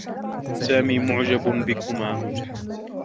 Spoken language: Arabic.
سامي معجب بكما.